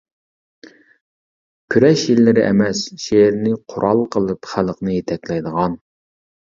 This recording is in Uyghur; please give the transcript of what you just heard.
كۈرەش يىللىرى ئەمەس، شېئىرنى قورال قىلىپ، خەلقنى يېتەكلەيدىغان.